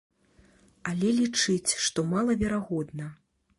Але лічыць, што малаверагодна.